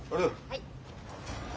はい。